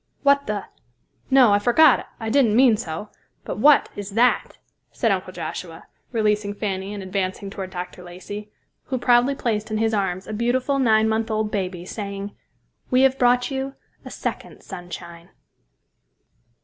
"What the ——, no, I forgot, I didn't mean so. But what—is—that!" said Uncle Joshua, releasing Fanny and advancing toward Dr. Lacey, who proudly placed in his arms a beautiful nine month old baby, saying, "We have brought you a second Sunshine."